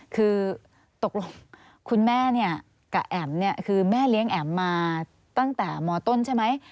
คือตกลงคุณแม่กับแอ๋มคือแม่เลี้ยงแอ๋มมาตั้งแต่มต้นใช่ไหม